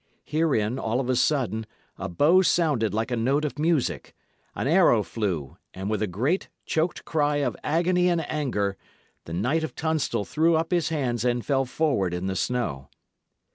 Herein, all of a sudden, a bow sounded like a note of music. An arrow flew, and with a great, choked cry of agony and anger, the Knight of Tunstall threw up his hands and fell forward in the snow.